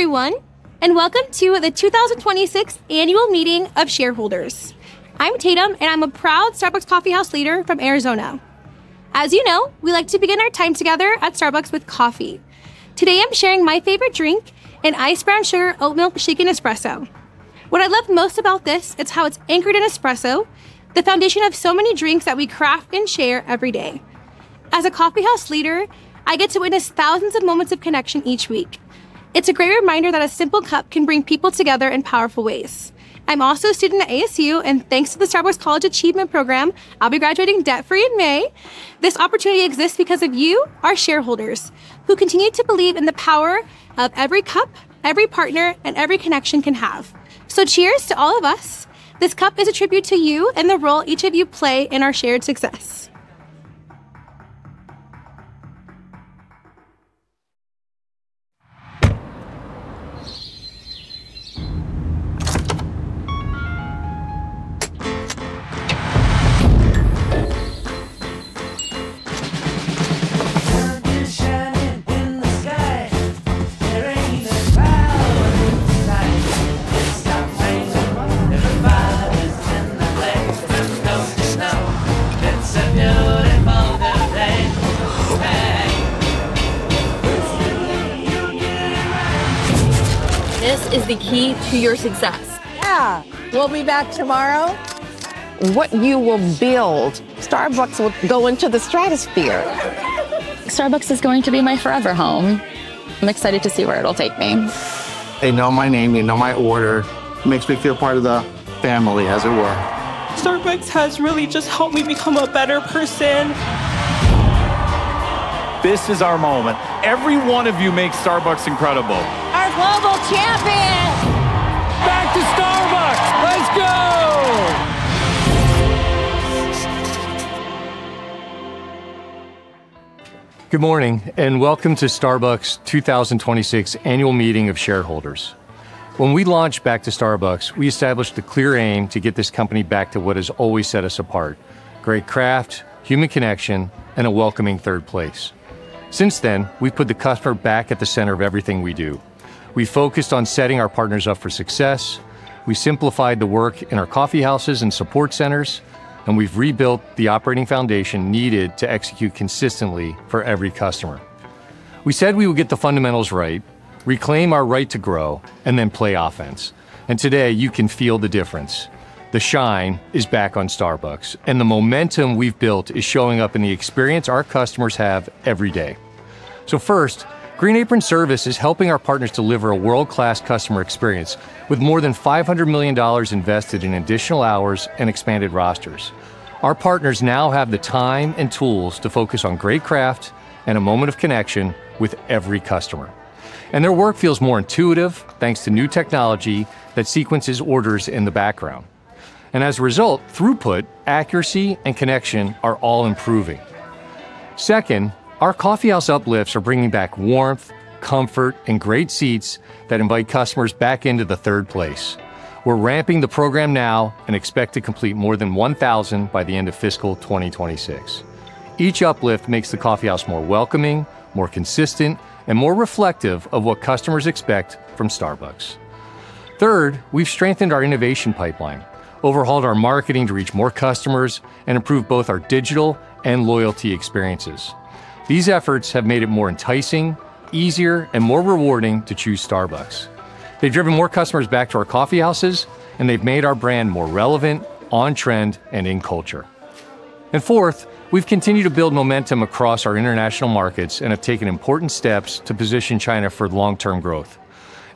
Hello everyone, and welcome to the 2026 annual meeting of shareholders. I'm Tatum, and I'm a proud Starbucks Coffeehouse Leader from Arizona. As you know, we like to begin our time together at Starbucks with coffee. Today, I'm sharing my favorite drink, an Iced Brown Sugar Oatmilk Shaken Espresso. What I love most about this is how it's anchored in espresso, the foundation of so many drinks that we craft and share every day. As a Coffeehouse Leader, I get to witness thousands of moments of connection each week. It's a great reminder that a simple cup can bring people together in powerful ways. I'm also a student at ASU, and thanks to the Starbucks College Achievement Plan, I'll be graduating debt-free in May. This opportunity exists because of you, our shareholders, who continue to believe in the power of every cup, every partner, and every connection we can have. Cheers to all of us. This cup is a tribute to you and the role each of you play in our shared success. What you will build, Starbucks will go into the stratosphere. Starbucks is going to be my forever home. I'm excited to see where it'll take me. They know my name, they know my order. Makes me feel part of the family, as it were. Starbucks has really just helped me become a better person. This is our moment. Every one of you makes Starbucks incredible. Our global champions. Back to Starbucks. Let's go. Good morning and welcome to Starbucks' 2026 annual meeting of shareholders. When we launched Back to Starbucks, we established the clear aim to get this company back to what has always set us apart, great craft, human connection, and a welcoming third place. Since then, we've put the customer back at the center of everything we do. We focused on setting our partners up for success. We simplified the work in our coffeehouses and support centers, and we've rebuilt the operating foundation needed to execute consistently for every customer. We said we would get the fundamentals right, reclaim our right to grow, and then play offense. Today you can feel the difference. The shine is back on Starbucks, and the momentum we've built is showing up in the experience our customers have every day. First, Green Apron Service is helping our partners deliver a world-class customer experience with more than $500 million invested in additional hours and expanded rosters. Our partners now have the time and tools to focus on great craft and a moment of connection with every customer. Their work feels more intuitive thanks to new technology that sequences orders in the background. As a result, throughput, accuracy, and connection are all improving. Second, our coffee house uplifts are bringing back warmth, comfort, and great seats that invite customers back into the third place. We're ramping the program now and expect to complete more than 1,000 by the end of fiscal 2026. Each uplift makes the coffee house more welcoming, more consistent, and more reflective of what customers expect from Starbucks. Third, we've strengthened our innovation pipeline, overhauled our marketing to reach more customers, and improved both our digital and loyalty experiences. These efforts have made it more enticing, easier, and more rewarding to choose Starbucks. They've driven more customers back to our coffee houses, and they've made our brand more relevant, on trend, and in culture. Fourth, we've continued to build momentum across our international markets and have taken important steps to position China for long-term growth.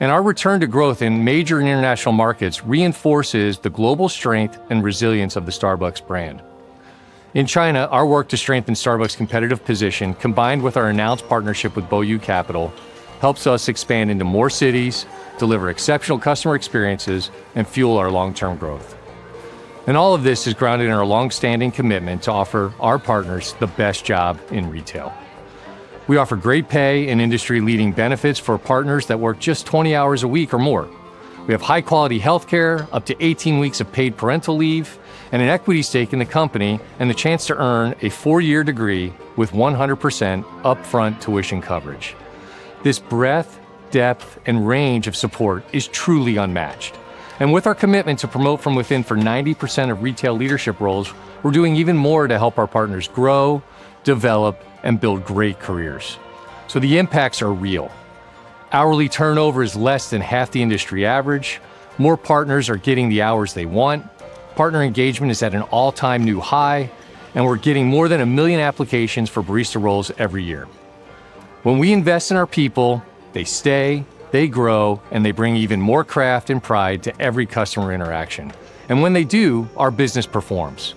Our return to growth in major international markets reinforces the global strength and resilience of the Starbucks brand. In China, our work to strengthen Starbucks' competitive position, combined with our announced partnership with Boyu Capital, helps us expand into more cities, deliver exceptional customer experiences, and fuel our long-term growth. All of this is grounded in our long-standing commitment to offer our partners the best job in retail. We offer great pay and industry-leading benefits for partners that work just 20 hours a week or more. We have high-quality healthcare, up to 18 weeks of paid parental leave, and an equity stake in the company and the chance to earn a four-year degree with 100% upfront tuition coverage. This breadth, depth, and range of support is truly unmatched. With our commitment to promote from within for 90% of retail leadership roles, we're doing even more to help our partners grow, develop, and build great careers. The impacts are real. Hourly turnover is less than half the industry average. More partners are getting the hours they want. Partner engagement is at an all-time new high, and we're getting more than 1 million applications for barista roles every year. When we invest in our people, they stay, they grow, and they bring even more craft and pride to every customer interaction. When they do, our business performs.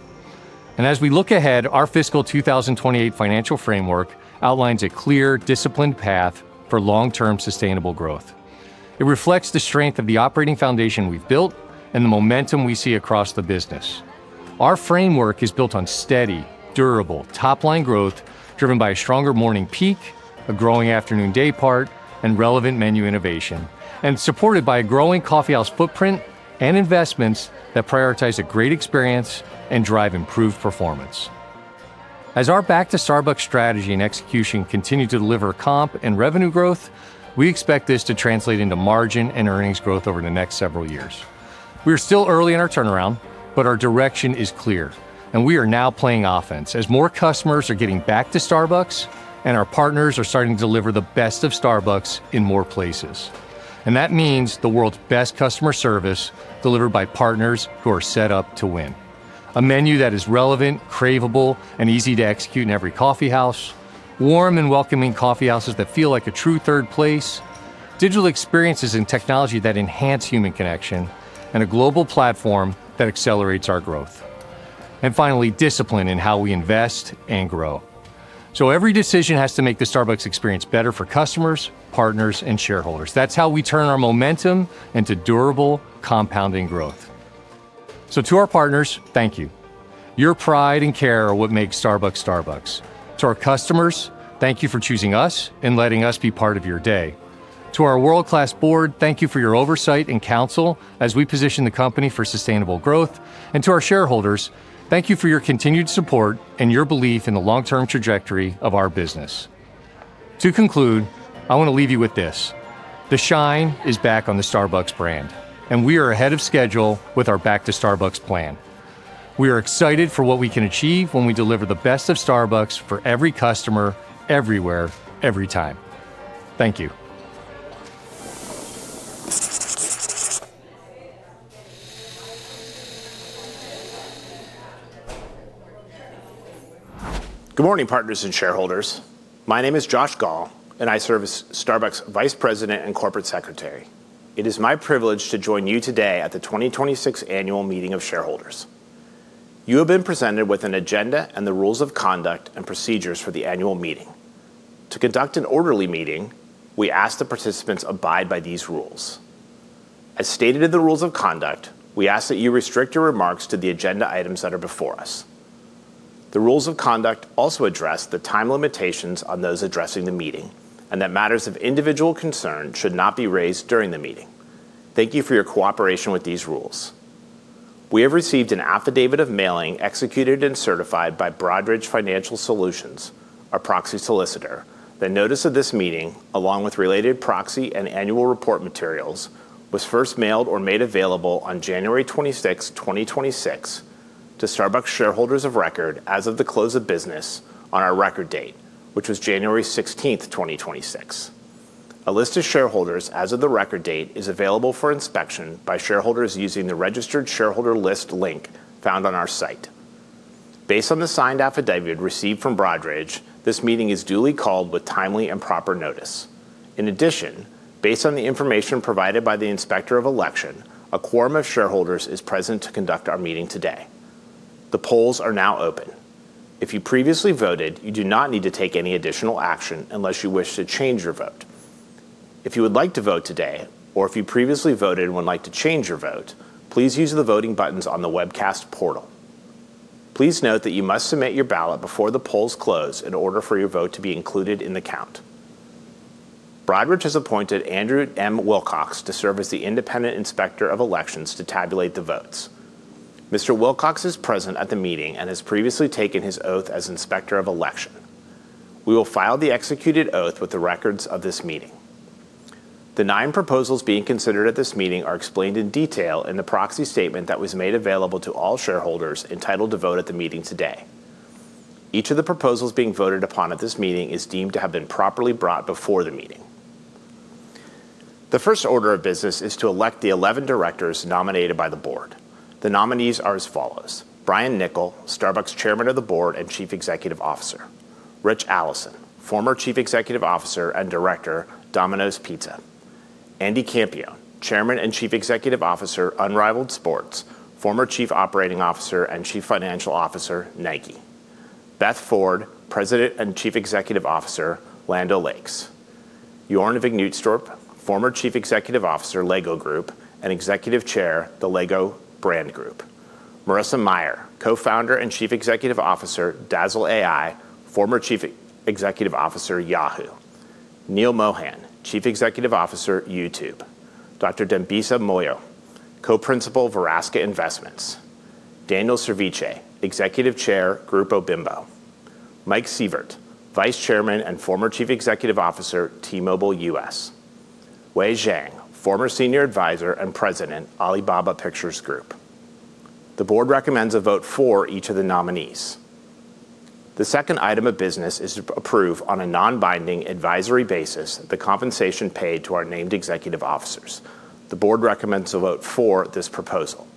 As we look ahead, our fiscal 2028 financial framework outlines a clear, disciplined path for long-term sustainable growth. It reflects the strength of the operating foundation we've built and the momentum we see across the business. Our framework is built on steady, durable, top-line growth driven by a stronger morning peak, a growing afternoon daypart, and relevant menu innovation, and supported by a growing coffeehouse footprint and investments that prioritize a great experience and drive improved performance. As our Back to Starbucks strategy and execution continue to deliver comp and revenue growth, we expect this to translate into margin and earnings growth over the next several years. We are still early in our turnaround, but our direction is clear, and we are now playing offense as more customers are getting back to Starbucks and our partners are starting to deliver the best of Starbucks in more places. That means the world's best customer service delivered by partners who are set up to win. A menu that is relevant, craveable, and easy to execute in every coffeehouse, warm and welcoming coffeehouses that feel like a true third place, digital experiences and technology that enhance human connection, and a global platform that accelerates our growth. Finally, discipline in how we invest and grow. Every decision has to make the Starbucks experience better for customers, partners, and shareholders. That's how we turn our momentum into durable compounding growth. To our partners, thank you. Your pride and care are what makes Starbucks. To our customers, thank you for choosing us and letting us be part of your day. To our world-class board, thank you for your oversight and counsel as we position the company for sustainable growth. To our shareholders, thank you for your continued support and your belief in the long-term trajectory of our business. To conclude, I want to leave you with this. The shine is back on the Starbucks brand, and we are ahead of schedule with our Back to Starbucks plan. We are excited for what we can achieve when we deliver the best of Starbucks for every customer, everywhere, every time. Thank you. Good morning, partners and shareholders. My name is Josh Gaul, and I serve as Starbucks Vice President and Corporate Secretary. It is my privilege to join you today at the 2026 annual meeting of shareholders. You have been presented with an agenda and the rules of conduct and procedures for the annual meeting. To conduct an orderly meeting, we ask the participants abide by these rules. As stated in the rules of conduct, we ask that you restrict your remarks to the agenda items that are before us. The rules of conduct also address the time limitations on those addressing the meeting, and that matters of individual concern should not be raised during the meeting. Thank you for your cooperation with these rules. We have received an affidavit of mailing executed and certified by Broadridge Financial Solutions, our proxy solicitor. The notice of this meeting, along with related proxy and annual report materials, was first mailed or made available on January 26, 2026 to Starbucks shareholders of record as of the close of business on our record date, which was January 16, 2026. A list of shareholders as of the record date is available for inspection by shareholders using the registered shareholder list link found on our site. Based on the signed affidavit received from Broadridge, this meeting is duly called with timely and proper notice. In addition, based on the information provided by the Inspector of Election, a quorum of shareholders is present to conduct our meeting today. The polls are now open. If you previously voted, you do not need to take any additional action unless you wish to change your vote. If you would like to vote today, or if you previously voted and would like to change your vote, please use the voting buttons on the webcast portal. Please note that you must submit your ballot before the polls close in order for your vote to be included in the count. Broadridge has appointed Andrew M. Wilcox to serve as the independent Inspector of Elections to tabulate the votes. Mr. Wilcox is present at the meeting and has previously taken his oath as Inspector of Election. We will file the executed oath with the records of this meeting. The nine proposals being considered at this meeting are explained in detail in the proxy statement that was made available to all shareholders entitled to vote at the meeting today. Each of the proposals being voted upon at this meeting is deemed to have been properly brought before the meeting. The first order of business is to elect the 11 directors nominated by the board. The nominees are as follows. Brian Niccol, Starbucks Chairman of the Board and Chief Executive Officer. Ritch Allison, former Chief Executive Officer and Director, Domino's Pizza. Andy Campion, Chairman and Chief Executive Officer, Unrivaled Sports, former Chief Operating Officer and Chief Financial Officer, Nike. Beth Ford, President and Chief Executive Officer, Land O'Lakes. Jørgen Vig Knudstorp, former Chief Executive Officer, The LEGO Group, and Executive Chair, the LEGO Brand Group. Marissa Mayer, Co-founder and Chief Executive Officer, Dazzle AI, former Chief Executive Officer, Yahoo. Neal Mohan, Chief Executive Officer, YouTube. Dr. Dambisa Moyo, Co-principal, Versaca Investments. Daniel Servitje, Executive Chair, Grupo Bimbo. Mike Sievert, Vice Chairman and former Chief Executive Officer, T-Mobile US. Wei Zhang, former Senior Advisor and President, Alibaba Pictures Group. The board recommends a vote for each of the nominees. The second item of business is to approve on a non-binding advisory basis the compensation paid to our named executive officers. The board recommends a vote for this proposal.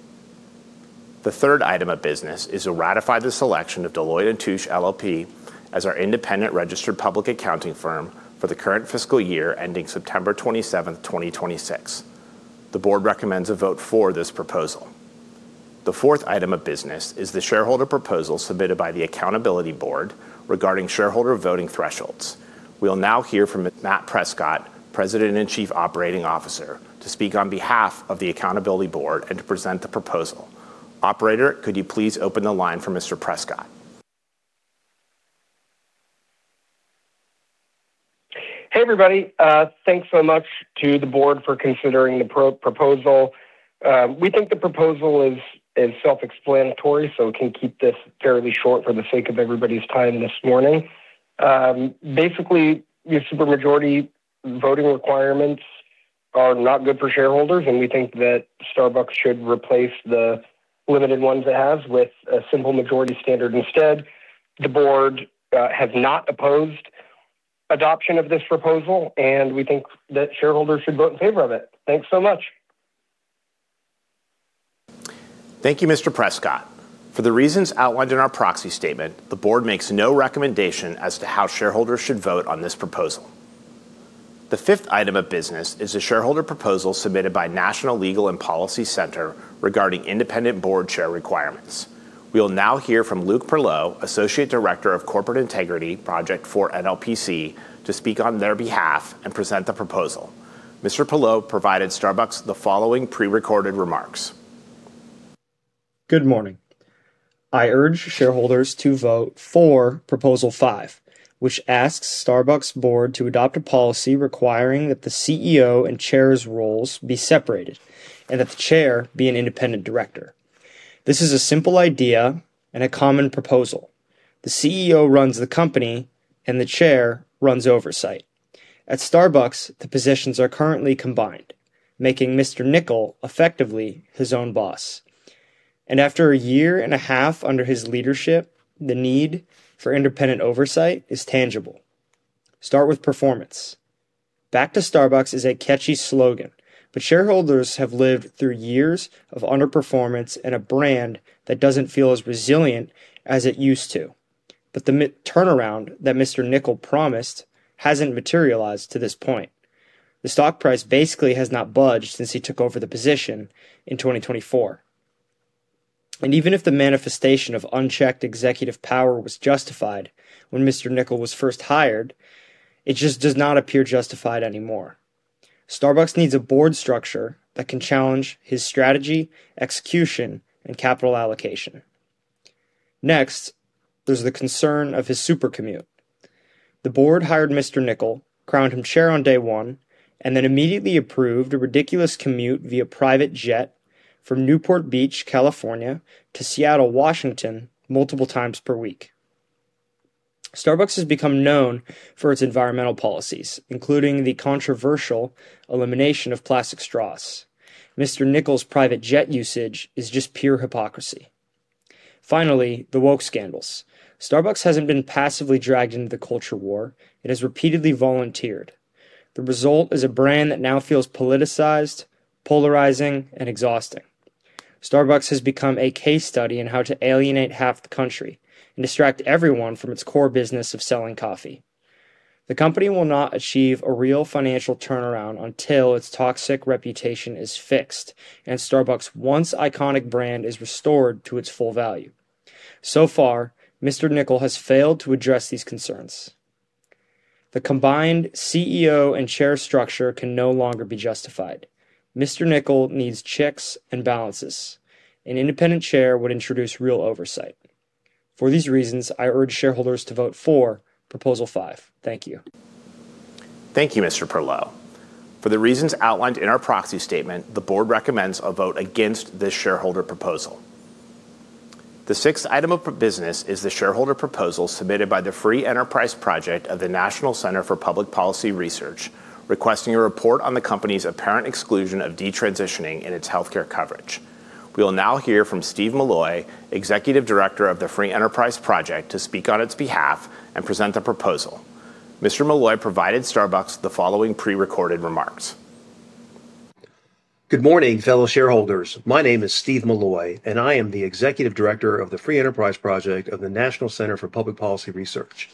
The third item of business is to ratify the selection of Deloitte & Touche LLP as our independent registered public accounting firm for the current fiscal year ending September 27, 2026. The board recommends a vote for this proposal. The fourth item of business is the shareholder proposal submitted by the Accountability Board regarding shareholder voting thresholds. We will now hear from Matt Prescott, President and Chief Operating Officer, to speak on behalf of the Accountability Board and to present the proposal. Operator, could you please open the line for Mr. Prescott? Hey, everybody. Thanks so much to the board for considering the pro-proposal. We think the proposal is self-explanatory, so we can keep this fairly short for the sake of everybody's time this morning. Basically, your super majority voting requirements are not good for shareholders, and we think that Starbucks should replace the limited ones it has with a simple majority standard instead. The board has not opposed adoption of this proposal, and we think that shareholders should vote in favor of it. Thanks so much. Thank you, Mr. Prescott. For the reasons outlined in our proxy statement, the Board makes no recommendation as to how shareholders should vote on this proposal. The fifth item of business is a shareholder proposal submitted by National Legal and Policy Center regarding independent board chair requirements. We will now hear from Luke Perlot, Associate Director of Corporate Integrity Project for NLPC, to speak on their behalf and present the proposal. Mr. Perlot provided Starbucks the following pre-recorded remarks. Good morning. I urge shareholders to vote for Proposal 5, which asks Starbucks board to adopt a policy requiring that the CEO and chair's roles be separated and that the chair be an independent director. This is a simple idea and a common proposal. The CEO runs the company and the chair runs oversight. At Starbucks, the positions are currently combined, making Mr. Niccol effectively his own boss. After a year and a half under his leadership, the need for independent oversight is tangible. Start with performance. Back to Starbucks is a catchy slogan, but shareholders have lived through years of underperformance and a brand that doesn't feel as resilient as it used to. The turnaround that Mr. Niccol promised hasn't materialized to this point. The stock price basically has not budged since he took over the position in 2024. Even if the manifestation of unchecked executive power was justified when Mr. Niccol was first hired, it just does not appear justified anymore. Starbucks needs a board structure that can challenge his strategy, execution, and capital allocation. Next, there's the concern of his super commute. The board hired Mr. Niccol, crowned him chair on day one, and then immediately approved a ridiculous commute via private jet from Newport Beach, California, to Seattle, Washington, multiple times per week. Starbucks has become known for its environmental policies, including the controversial elimination of plastic straws. Mr. Niccol's private jet usage is just pure hypocrisy. Finally, the woke scandals. Starbucks hasn't been passively dragged into the culture war. It has repeatedly volunteered. The result is a brand that now feels politicized, polarizing, and exhausting. Starbucks has become a case study in how to alienate half the country and distract everyone from its core business of selling coffee. The company will not achieve a real financial turnaround until its toxic reputation is fixed and Starbucks' once iconic brand is restored to its full value. So far, Mr. Niccol has failed to address these concerns. The combined CEO and chair structure can no longer be justified. Mr. Niccol needs checks and balances. An independent chair would introduce real oversight. For these reasons, I urge shareholders to vote for proposal five. Thank you. Thank you, Mr. Perlot. For the reasons outlined in our proxy statement, the board recommends a vote against this shareholder proposal. The sixth item of business is the shareholder proposal submitted by the Free Enterprise Project of the National Center for Public Policy Research, requesting a report on the company's apparent exclusion of detransitioning in its healthcare coverage. We will now hear from Steve Milloy, Executive Director of the Free Enterprise Project, to speak on its behalf and present the proposal. Mr. Milloy provided Starbucks the following pre-recorded remarks. Good morning, fellow shareholders. My name is Steve Milloy, and I am the Executive Director of the Free Enterprise Project of the National Center for Public Policy Research.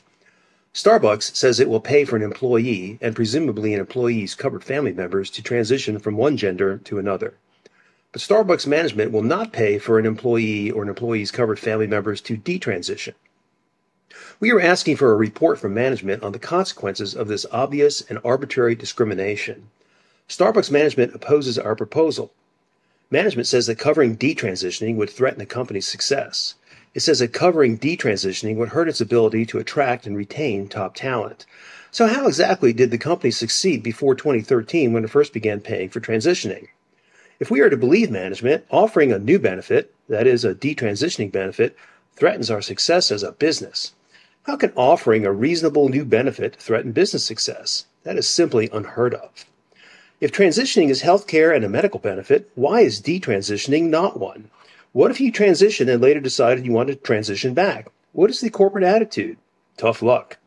Starbucks says it will pay for an employee, and presumably an employee's covered family members, to transition from one gender to another. Starbucks management will not pay for an employee or an employee's covered family members to detransition. We are asking for a report from management on the consequences of this obvious and arbitrary discrimination. Starbucks management opposes our proposal. Management says that covering detransitioning would threaten the company's success. It says that covering detransitioning would hurt its ability to attract and retain top talent. How exactly did the company succeed before 2013 when it first began paying for transitioning? If we are to believe management, offering a new benefit, that is a detransitioning benefit, threatens our success as a business. How can offering a reasonable new benefit threaten business success? That is simply unheard of. If transitioning is healthcare and a medical benefit, why is detransitioning not one? What if you transition and later decide you want to transition back? What is the corporate attitude? Tough luck.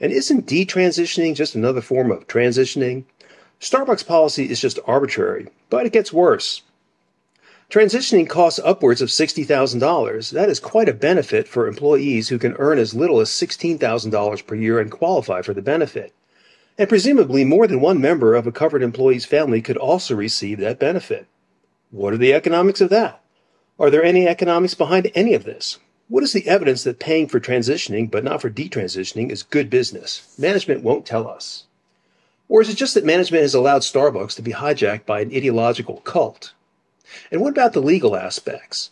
Isn't detransitioning just another form of transitioning? Starbucks policy is just arbitrary, but it gets worse. Transitioning costs upwards of $60,000. That is quite a benefit for employees who can earn as little as $16,000 per year and qualify for the benefit. Presumably, more than one member of a covered employee's family could also receive that benefit. What are the economics of that? Are there any economics behind any of this? What is the evidence that paying for transitioning but not for detransitioning is good business? Management won't tell us. Is it just that management has allowed Starbucks to be hijacked by an ideological cult? What about the legal aspects?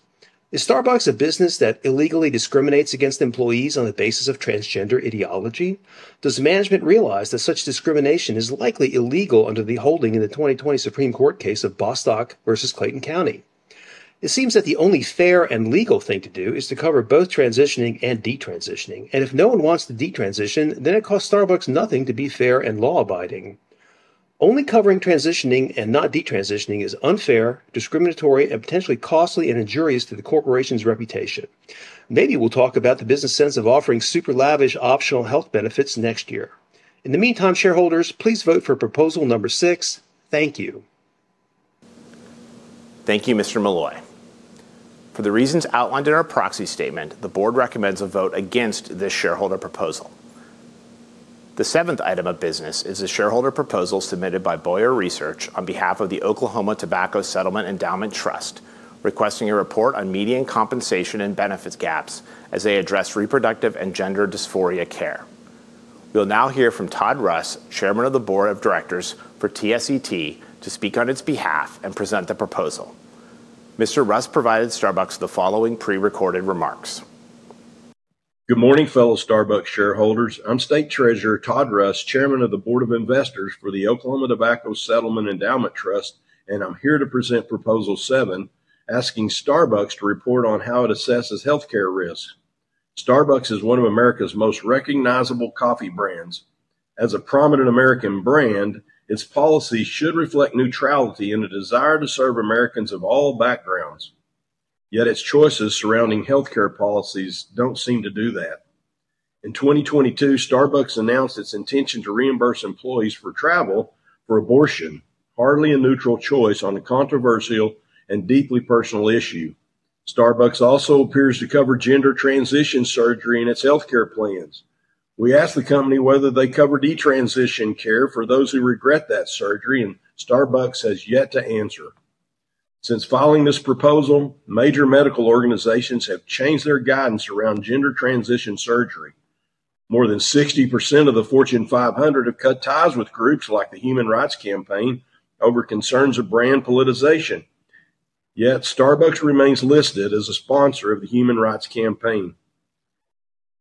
Is Starbucks a business that illegally discriminates against employees on the basis of transgender ideology? Does management realize that such discrimination is likely illegal under the holding in the 2020 Supreme Court case of Bostock v. Clayton County? It seems that the only fair and legal thing to do is to cover both transitioning and detransitioning. If no one wants to detransition, then it costs Starbucks nothing to be fair and law-abiding. Only covering transitioning and not detransitioning is unfair, discriminatory, and potentially costly and injurious to the corporation's reputation. Maybe we'll talk about the business sense of offering super lavish optional health benefits next year. In the meantime, shareholders, please vote for proposal number six. Thank you. Thank you, Mr. Milloy. For the reasons outlined in our proxy statement, the board recommends a vote against this shareholder proposal. The seventh item of business is a shareholder proposal submitted by Bowyer Research on behalf of the Oklahoma Tobacco Settlement Endowment Trust, requesting a report on median compensation and benefits gaps as they address reproductive and gender dysphoria care. We'll now hear from Todd Russ, Chairman of the Board of Directors for TSET, to speak on its behalf and present the proposal. Mr. Russ provided Starbucks the following pre-recorded remarks. Good morning, fellow Starbucks shareholders. I'm State Treasurer Todd Russ, chairman of the board of directors for the Oklahoma Tobacco Settlement Endowment Trust, and I'm here to present proposal seven, asking Starbucks to report on how it assesses healthcare risk. Starbucks is one of America's most recognizable coffee brands. As a prominent American brand, its policy should reflect neutrality and a desire to serve Americans of all backgrounds. Yet its choices surrounding healthcare policies don't seem to do that. In 2022, Starbucks announced its intention to reimburse employees for travel for abortion, hardly a neutral choice on a controversial and deeply personal issue. Starbucks also appears to cover gender transition surgery in its healthcare plans. We asked the company whether they cover detransition care for those who regret that surgery, and Starbucks has yet to answer. Since following this proposal, major medical organizations have changed their guidance around gender transition surgery. More than 60% of the Fortune 500 have cut ties with groups like the Human Rights Campaign over concerns of brand politicization. Yet Starbucks remains listed as a sponsor of the Human Rights Campaign,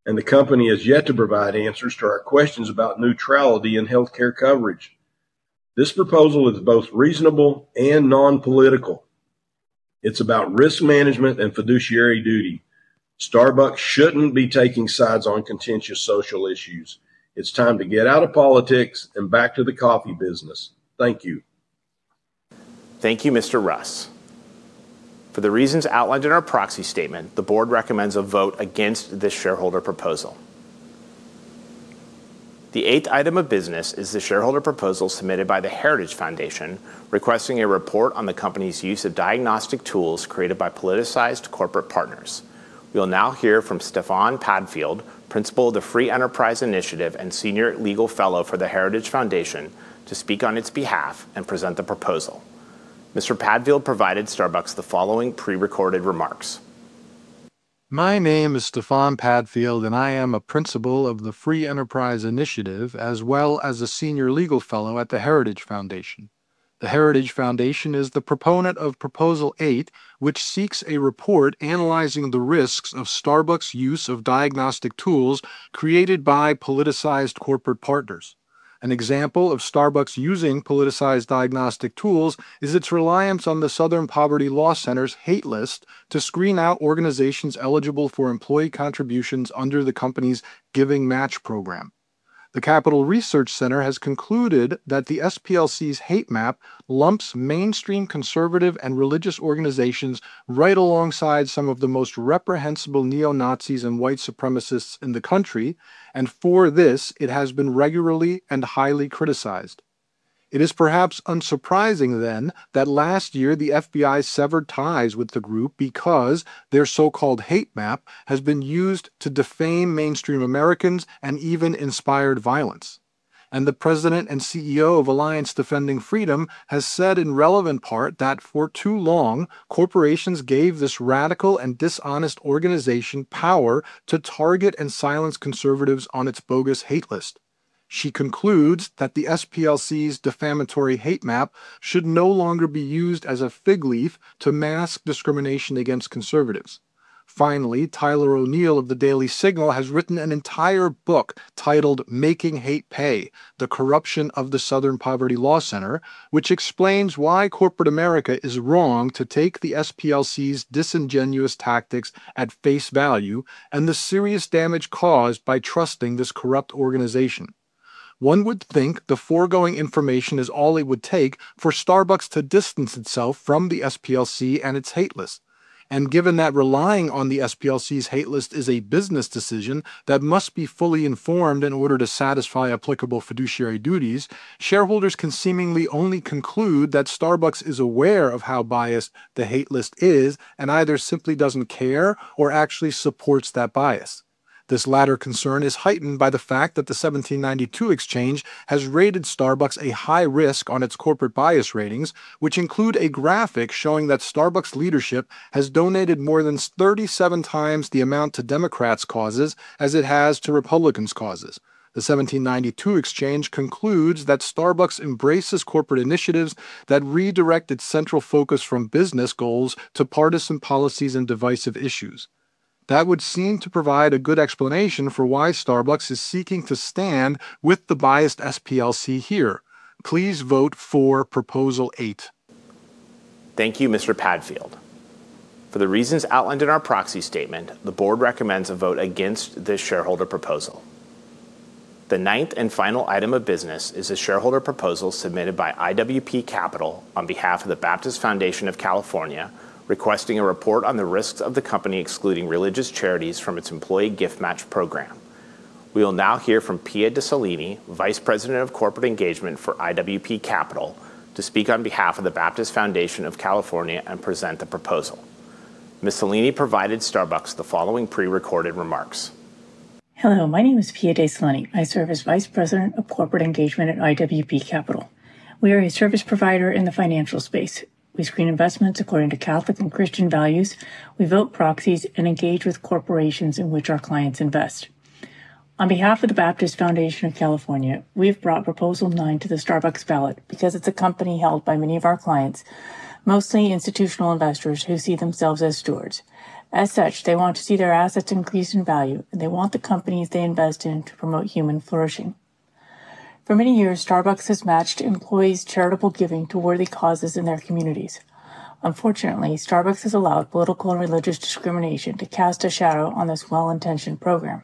and the company has yet to provide answers to our questions about neutrality in healthcare coverage. This proposal is both reasonable and non-political. It's about risk management and fiduciary duty. Starbucks shouldn't be taking sides on contentious social issues. It's time to get out of politics and back to the coffee business. Thank you. Thank you, Mr. Russ. For the reasons outlined in our proxy statement, the board recommends a vote against this shareholder proposal. The eighth item of business is the shareholder proposal submitted by The Heritage Foundation, requesting a report on the company's use of diagnostic tools created by politicized corporate partners. We will now hear from Stefan Padfield, Principal of the Free Enterprise Initiative and Senior Legal Fellow for The Heritage Foundation, to speak on its behalf and present the proposal. Mr. Padfield provided Starbucks the following pre-recorded remarks. My name is Stefan Padfield, and I am a principal of the Free Enterprise Initiative, as well as a senior legal fellow at The Heritage Foundation. The Heritage Foundation is the proponent of Proposal 8, which seeks a report analyzing the risks of Starbucks' use of diagnostic tools created by politicized corporate partners. An example of Starbucks using politicized diagnostic tools is its reliance on the Southern Poverty Law Center's hate list to screen out organizations eligible for employee contributions under the company's Giving Match program. The Capital Research Center has concluded that the SPLC's hate map lumps mainstream conservative and religious organizations right alongside some of the most reprehensible neo-Nazis and white supremacists in the country, and for this, it has been regularly and highly criticized. It is perhaps unsurprising then, that last year, the FBI severed ties with the group because their so-called hate map has been used to defame mainstream Americans and even inspired violence. The president and CEO of Alliance Defending Freedom has said in relevant part that for too long, corporations gave this radical and dishonest organization power to target and silence conservatives on its bogus hate list. She concludes that the SPLC's defamatory hate map should no longer be used as a fig leaf to mask discrimination against conservatives. Finally, Tyler O'Neill of The Daily Signal has written an entire book titled Making Hate Pay: The Corruption of the Southern Poverty Law Center, which explains why corporate America is wrong to take the SPLC's disingenuous tactics at face value and the serious damage caused by trusting this corrupt organization. One would think the foregoing information is all it would take for Starbucks to distance itself from the SPLC and its hate list. Given that relying on the SPLC's hate list is a business decision that must be fully informed in order to satisfy applicable fiduciary duties, shareholders can seemingly only conclude that Starbucks is aware of how biased the hate list is and either simply doesn't care or actually supports that bias. This latter concern is heightened by the fact that the 1792 Exchange has rated Starbucks a high risk on its Corporate Bias Ratings, which include a graphic showing that Starbucks leadership has donated more than 37 times the amount to Democratic causes as it has to Republican causes. The 1792 Exchange concludes that Starbucks embraces corporate initiatives that redirect its central focus from business goals to partisan policies and divisive issues. That would seem to provide a good explanation for why Starbucks is seeking to stand with the biased SPLC here. Please vote for Proposal 8. Thank you, Mr. Padfield. For the reasons outlined in our proxy statement, the Board recommends a vote against this shareholder proposal. The ninth and final item of business is a shareholder proposal submitted by IWP Capital on behalf of the Baptist Foundation of California, requesting a report on the risks of the company excluding religious charities from its employee gift match program. We will now hear from Pia de Solenni, Vice President of Corporate Engagement for IWP Capital, to speak on behalf of the Baptist Foundation of California and present the proposal. Ms. Solenni provided Starbucks the following pre-recorded remarks. Hello, my name is Pia de Solenni. I serve as Vice President of Corporate Engagement at IWP Capital. We are a service provider in the financial space. We screen investments according to Catholic and Christian values. We vote proxies and engage with corporations in which our clients invest. On behalf of the Baptist Foundation of California, we have brought Proposal 9 to the Starbucks ballot because it's a company held by many of our clients, mostly institutional investors who see themselves as stewards. As such, they want to see their assets increase in value, and they want the companies they invest in to promote human flourishing. For many years, Starbucks has matched employees' charitable giving to worthy causes in their communities. Unfortunately, Starbucks has allowed political and religious discrimination to cast a shadow on this well-intentioned program.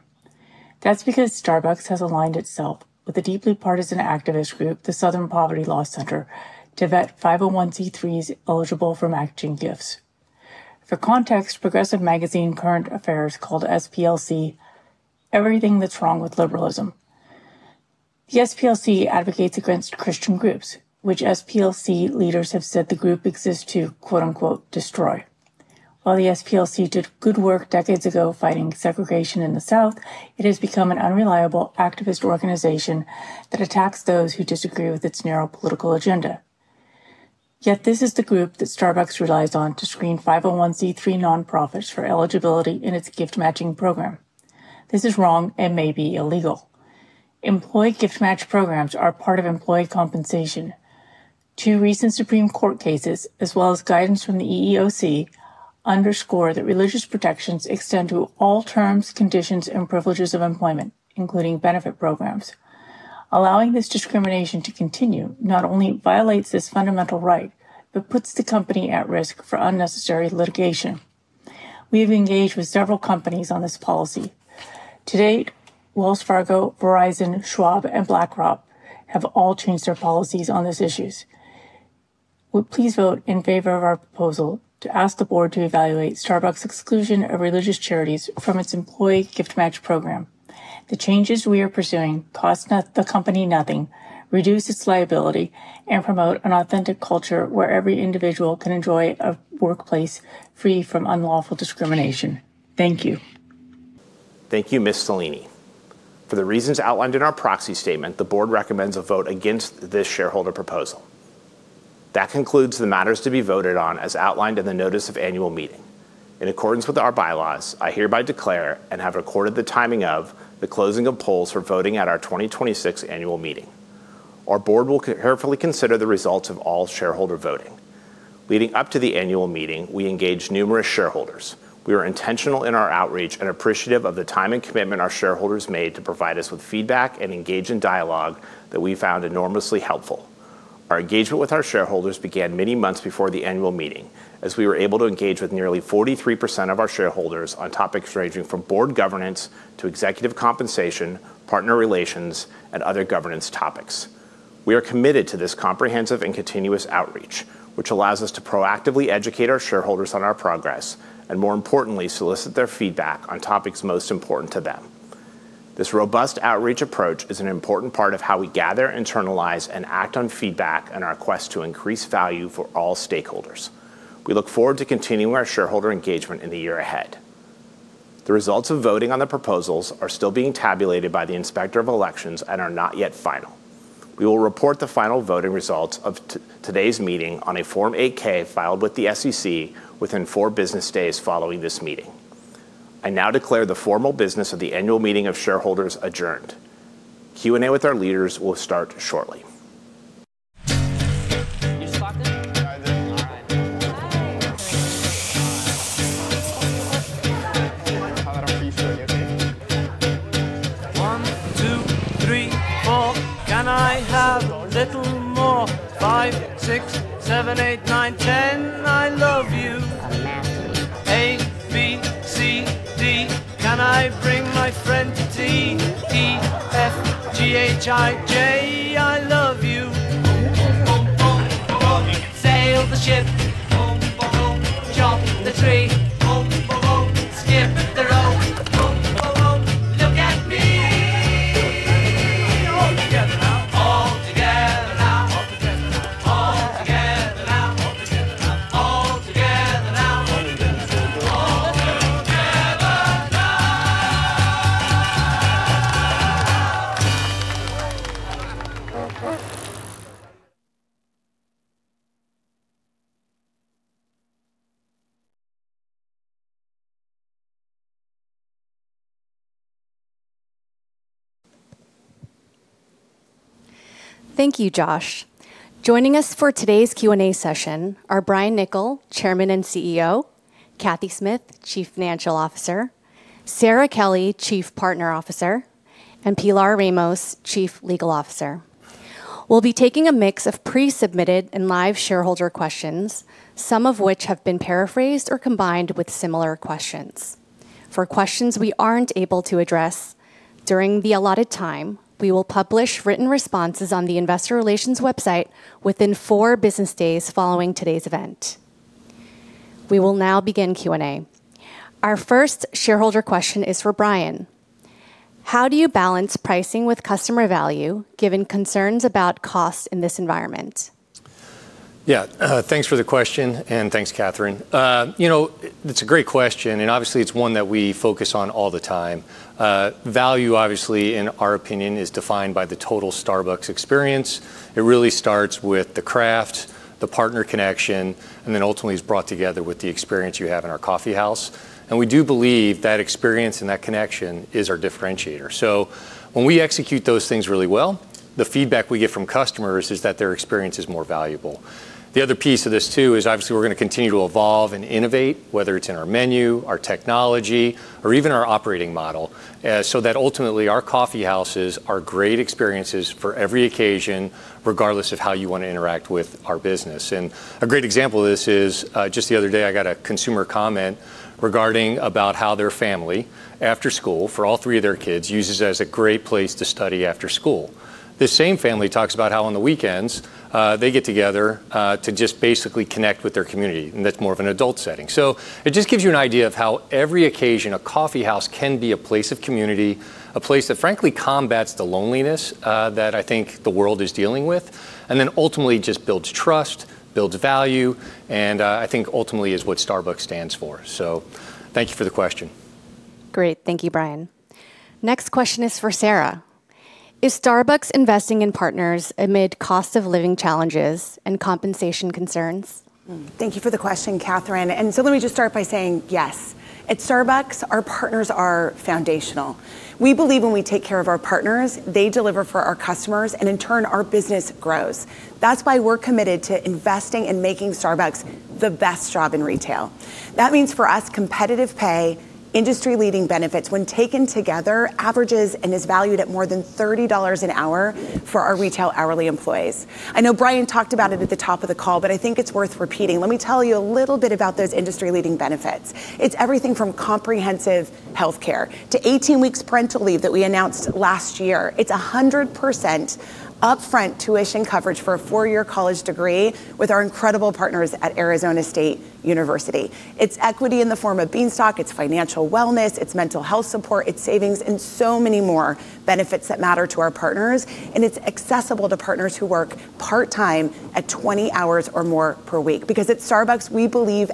That's because Starbucks has aligned itself with the deeply partisan activist group, the Southern Poverty Law Center, to vet 501(c)(3)s eligible for matching gifts. For context, progressive magazine Current Affairs called SPLC, "Everything that's wrong with liberalism." The SPLC advocates against Christian groups, which SPLC leaders have said the group exists to "Destroy." While the SPLC did good work decades ago fighting segregation in the South, it has become an unreliable activist organization that attacks those who disagree with its narrow political agenda. Yet this is the group that Starbucks relies on to screen 501(c)(3) nonprofits for eligibility in its gift matching program. This is wrong and may be illegal. Employee gift match programs are part of employee compensation. Two recent Supreme Court cases, as well as guidance from the EEOC, underscore that religious protections extend to all terms, conditions, and privileges of employment, including benefit programs. Allowing this discrimination to continue not only violates this fundamental right, but puts the company at risk for unnecessary litigation. We have engaged with several companies on this policy. To date, Wells Fargo, Verizon, Schwab, and BlackRock have all changed their policies on these issues. Would you please vote in favor of our proposal to ask the board to evaluate Starbucks' exclusion of religious charities from its employee gift match program. The changes we are pursuing cost the company nothing, reduce its liability, and promote an authentic culture where every individual can enjoy a workplace free from unlawful discrimination. Thank you. Thank you, Ms. de Solenni. For the reasons outlined in our proxy statement, the board recommends a vote against this shareholder proposal. That concludes the matters to be voted on as outlined in the notice of annual meeting. In accordance with our bylaws, I hereby declare and have recorded the timing of the closing of polls for voting at our 2026 annual meeting. Our board will carefully consider the results of all shareholder voting. Leading up to the annual meeting, we engaged numerous shareholders. We were intentional in our outreach and appreciative of the time and commitment our shareholders made to provide us with feedback and engage in dialogue that we found enormously helpful. Our engagement with our shareholders began many months before the annual meeting, as we were able to engage with nearly 43% of our shareholders on topics ranging from board governance to executive compensation, partner relations, and other governance topics. We are committed to this comprehensive and continuous outreach, which allows us to proactively educate our shareholders on our progress, and more importantly, solicit their feedback on topics most important to them. This robust outreach approach is an important part of how we gather, internalize, and act on feedback in our quest to increase value for all stakeholders. We look forward to continuing our shareholder engagement in the year ahead. The results of voting on the proposals are still being tabulated by the Inspector of Elections and are not yet final. We will report the final voting results of today's meeting on a Form 8-K filed with the SEC within four business days following this meeting. I now declare the formal business of the annual meeting of shareholders adjourned. Q&A with our leaders will start shortly. Thank you, Josh. Joining us for today's Q&A session are Brian Niccol, Chairman and CEO, Cathy Smith, Chief Financial Officer, Sara Kelly, Chief Partner Officer, and Pilar Ramos, Chief Legal Officer. We'll be taking a mix of pre-submitted and live shareholder questions, some of which have been paraphrased or combined with similar questions. For questions we aren't able to address during the allotted time, we will publish written responses on the investor relations website within four business days following today's event. We will now begin Q&A. Our first shareholder question is for Brian. How do you balance pricing with customer value given concerns about costs in this environment? Yeah. Thanks for the question and thanks, Catherine. You know, it's a great question, and obviously it's one that we focus on all the time. Value, obviously, in our opinion, is defined by the total Starbucks experience. It really starts with the craft, the partner connection, and then ultimately is brought together with the experience you have in our coffee house. We do believe that experience and that connection is our differentiator. When we execute those things really well, the feedback we get from customers is that their experience is more valuable. The other piece of this too is obviously we're gonna continue to evolve and innovate, whether it's in our menu, our technology, or even our operating model, so that ultimately our coffee houses are great experiences for every occasion, regardless of how you want to interact with our business. A great example of this is, just the other day, I got a consumer comment regarding about how their family, after school, for all three of their kids, uses it as a great place to study after school. The same family talks about how on the weekends, they get together, to just basically connect with their community, and that's more of an adult setting. It just gives you an idea of how every occasion, a coffee house can be a place of community, a place that frankly combats the loneliness, that I think the world is dealing with, and then ultimately just builds trust, builds value, and, I think ultimately is what Starbucks stands for. Thank you for the question. Great. Thank you, Brian. Next question is for Sara. Is Starbucks investing in partners amid cost of living challenges and compensation concerns? Thank you for the question, Catherine. Let me just start by saying yes. At Starbucks, our partners are foundational. We believe when we take care of our partners, they deliver for our customers, and in turn, our business grows. That's why we're committed to investing and making Starbucks the best job in retail. That means, for us, competitive pay, industry-leading benefits, when taken together, averages and is valued at more than $30 an hour for our retail hourly employees. I know Brian talked about it at the top of the call, but I think it's worth repeating. Let me tell you a little bit about those industry-leading benefits. It's everything from comprehensive healthcare to 18 weeks parental leave that we announced last year. It's 100% upfront tuition coverage for a four-year college degree with our incredible partners at Arizona State University. It's equity in the form of Bean Stock, it's financial wellness, it's mental health support, it's savings, and so many more benefits that matter to our partners. It's accessible to partners who work part-time at 20 hours or more per week. Because at Starbucks, we believe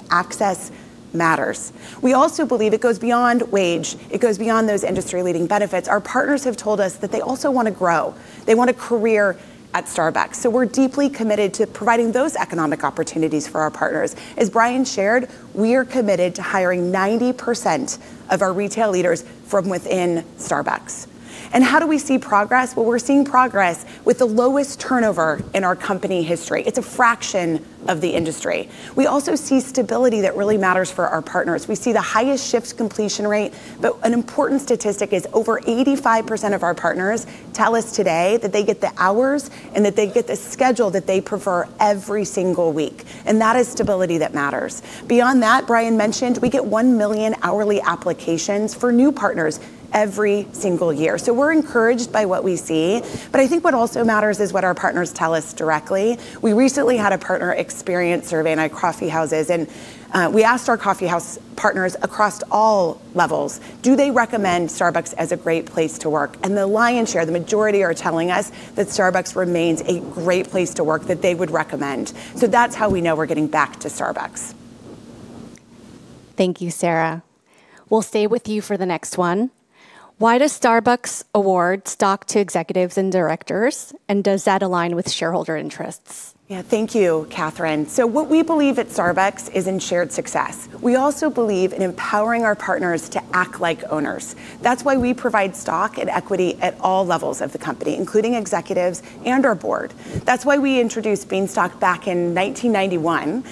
access matters. We also believe it goes beyond wage, it goes beyond those industry-leading benefits. Our partners have told us that they also wanna grow. They want a career at Starbucks. We're deeply committed to providing those economic opportunities for our partners. As Brian shared, we are committed to hiring 90% of our retail leaders from within Starbucks. How do we see progress? Well, we're seeing progress with the lowest turnover in our company history. It's a fraction of the industry. We also see stability that really matters for our partners. We see the highest shifts completion rate, but an important statistic is over 85% of our partners tell us today that they get the hours and that they get the schedule that they prefer every single week. That is stability that matters. Beyond that, Brian mentioned we get 1 million hourly applications for new partners every single year. We're encouraged by what we see, but I think what also matters is what our partners tell us directly. We recently had a partner experience survey in our coffee houses, and we asked our coffee house partners across all levels, do they recommend Starbucks as a great place to work? The lion's share, the majority are telling us that Starbucks remains a great place to work that they would recommend. That's how we know we're getting Back to Starbucks. Thank you, Sara. We'll stay with you for the next one. Why does Starbucks award stock to executives and directors, and does that align with shareholder interests? Yeah. Thank you, Catherine. What we believe at Starbucks is in shared success. We also believe in empowering our partners to act like owners. That's why we provide stock and equity at all levels of the company, including executives and our board. That's why we introduced Bean Stock back in 1991.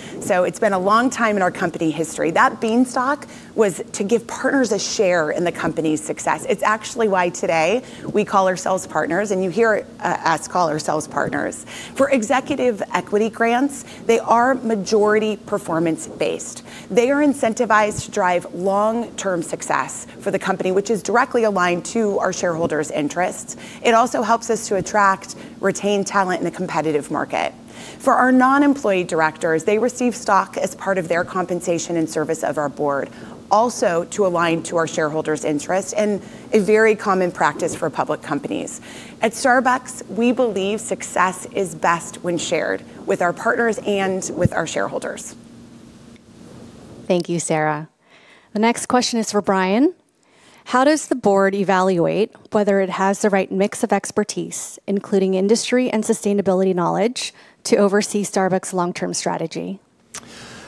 It's been a long time in our company history. That Bean Stock was to give partners a share in the company's success. It's actually why today we call ourselves partners, and you hear us call ourselves partners. For executive equity grants, they are majority performance-based. They are incentivized to drive long-term success for the company, which is directly aligned to our shareholders' interests. It also helps us to attract, retain talent in a competitive market. For our non-employee directors, they receive stock as part of their compensation and service of our board, also to align to our shareholders' interest and a very common practice for public companies. At Starbucks, we believe success is best when shared with our partners and with our shareholders. Thank you, Sara. The next question is for Brian. How does the board evaluate whether it has the right mix of expertise, including industry and sustainability knowledge, to oversee Starbucks' long-term strategy?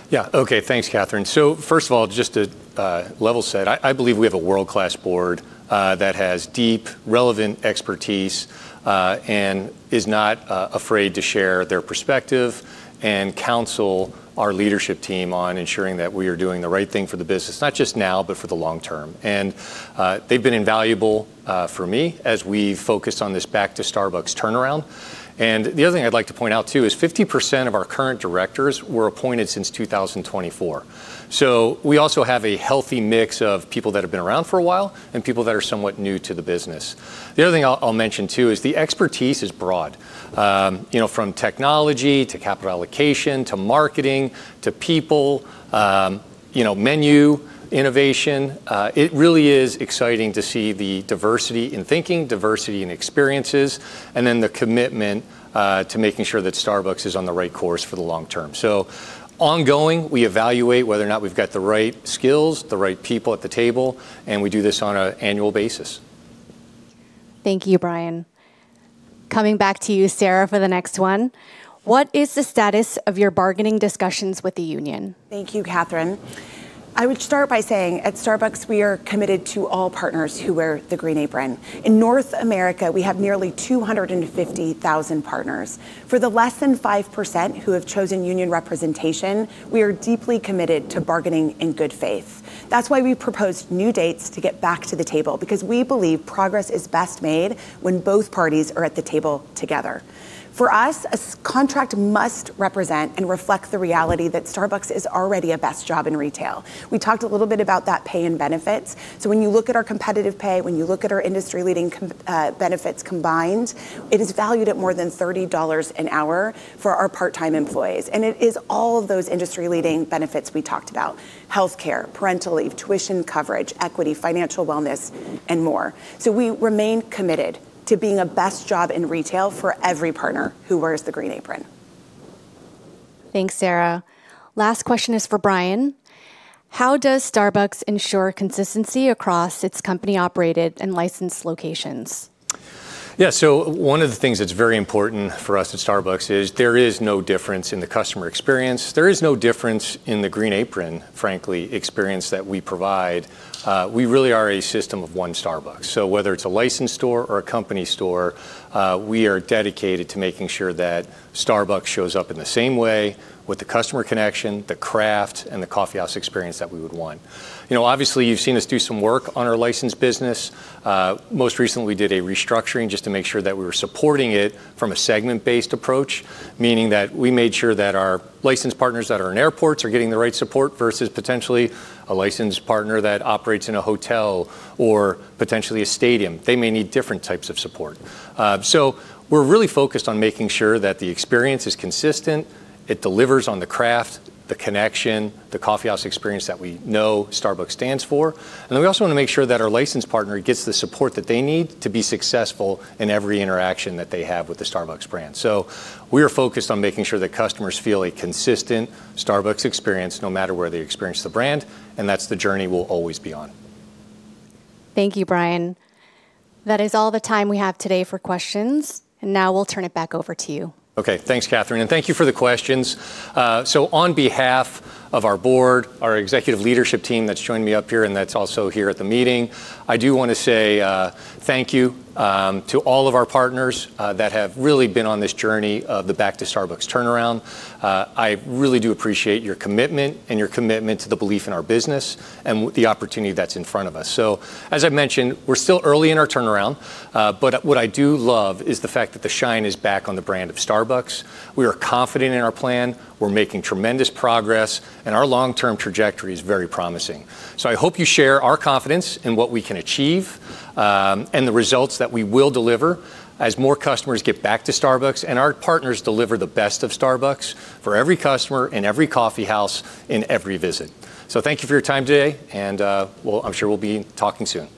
Yeah. Okay. Thanks, Catherine. First of all, just to level set, I believe we have a world-class board that has deep relevant expertise and is not afraid to share their perspective and counsel our leadership team on ensuring that we are doing the right thing for the business, not just now, but for the long term. They've been invaluable for me as we focus on this Back to Starbucks turnaround. The other thing I'd like to point out too is 50% of our current directors were appointed since 2024. We also have a healthy mix of people that have been around for a while and people that are somewhat new to the business. The other thing I'll mention too is the expertise is broad. You know, from technology to capital allocation, to marketing to people, you know, menu innovation. It really is exciting to see the diversity in thinking, diversity in experiences, and then the commitment to making sure that Starbucks is on the right course for the long term. Ongoing, we evaluate whether or not we've got the right skills, the right people at the table, and we do this on an annual basis. Thank you, Brian. Coming back to you, Sara, for the next one. What is the status of your bargaining discussions with the union? Thank you, Catherine. I would start by saying at Starbucks we are committed to all partners who wear the green apron. In North America, we have nearly 250,000 partners. For the less than 5% who have chosen union representation, we are deeply committed to bargaining in good faith. That's why we proposed new dates to get back to the table because we believe progress is best made when both parties are at the table together. For us, a contract must represent and reflect the reality that Starbucks is already the best job in retail. We talked a little bit about that pay and benefits. When you look at our competitive pay, when you look at our industry-leading benefits combined, it is valued at more than $30 an hour for our part-time employees. It is all of those industry-leading benefits we talked about, healthcare, parental leave, tuition coverage, equity, financial wellness, and more. We remain committed to being a best job in retail for every partner who wears the Green Apron. Thanks, Sara. Last question is for Brian. How does Starbucks ensure consistency across its company-operated and licensed locations? Yeah. One of the things that's very important for us at Starbucks is there is no difference in the customer experience. There is no difference in the Green Apron, frankly, experience that we provide. We really are a system of one Starbucks. Whether it's a licensed store or a company store, we are dedicated to making sure that Starbucks shows up in the same way with the customer connection, the craft, and the coffeehouse experience that we would want. You know, obviously, you've seen us do some work on our licensed business. Most recently did a restructuring just to make sure that we were supporting it from a segment-based approach, meaning that we made sure that our licensed partners that are in airports are getting the right support versus potentially a licensed partner that operates in a hotel or potentially a stadium. They may need different types of support. We're really focused on making sure that the experience is consistent, it delivers on the craft, the connection, the coffeehouse experience that we know Starbucks stands for. We also wanna make sure that our licensed partner gets the support that they need to be successful in every interaction that they have with the Starbucks brand. We are focused on making sure that customers feel a consistent Starbucks experience no matter where they experience the brand, and that's the journey we'll always be on. Thank you, Brian. That is all the time we have today for questions. Now we'll turn it back over to you. Okay. Thanks, Catherine, and thank you for the questions. On behalf of our board, our executive leadership team that's joined me up here and that's also here at the meeting, I do wanna say, thank you, to all of our partners that have really been on this journey of the Back to Starbucks turnaround. I really do appreciate your commitment to the belief in our business and the opportunity that's in front of us. As I mentioned, we're still early in our turnaround, but what I do love is the fact that the shine is back on the brand of Starbucks. We are confident in our plan. We're making tremendous progress, and our long-term trajectory is very promising. I hope you share our confidence in what we can achieve, and the results that we will deliver as more customers get back to Starbucks and our partners deliver the best of Starbucks for every customer in every coffee house in every visit. Thank you for your time today, and we'll be talking soon.